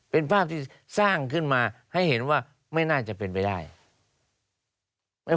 เป็นภาพที่สร้างขึ้นมาให้เห็นว่าไม่น่าจะเป็นไปได้